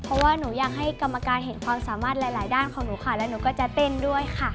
เพราะว่าหนูอยากให้กรรมการเห็นความสามารถหลายด้านของหนูค่ะแล้วหนูก็จะเต้นด้วยค่ะ